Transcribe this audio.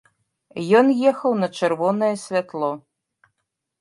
Ён ехаў на чырвонае святло.